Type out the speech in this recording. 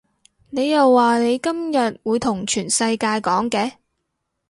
你又話你今日會同全世界講嘅